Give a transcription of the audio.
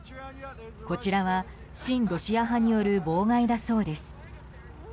こちらは親ロシア派による妨害だそうです。